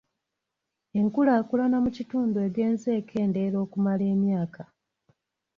Enkulaakulana mu kitundu egenze ekendeera okumala emyaka.